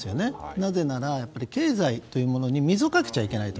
なぜなら、経済というものに水をかけちゃいけないと。